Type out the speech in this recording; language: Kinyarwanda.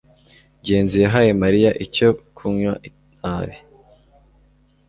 ngenzi yahaye mariya icyo kunywa nabi